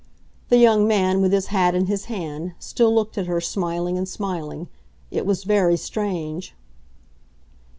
The young man, with his hat in his hand, still looked at her, smiling and smiling. It was very strange.